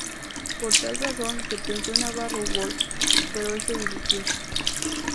Por tal razón se pensó en Navarro Wolff, pero este desistió.